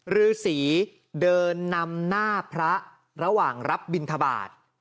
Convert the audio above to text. ฤษีเดินนำหน้าพระระหว่างรับบินทบาท